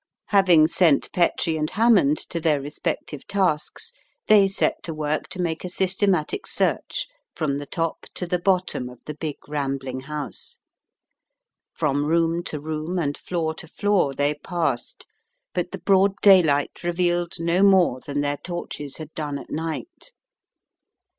Having sent Petrie and Hammond to their respec tive tasks, they set to work to make a systematic search from the top to the bottom of the big, rambling house. From room to room and floor to floor they passed, but the broad daylight revealed no more than their torches had done at night.